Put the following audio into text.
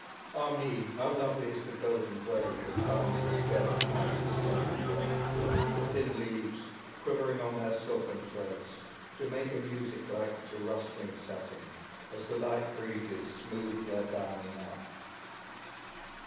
Ah me! how lovely is the golden braid That binds the skirt of night's descending robe! The thin leaves, quivering on their silken threads, Do make a music like to rustling satin, As the light breezes smooth their downy nap.